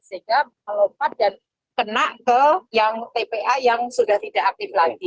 sehingga melompat dan kena ke yang tpa yang sudah tidak aktif lagi